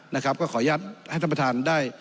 นะครับก็ขออนุญาตให้ท่านประธานได้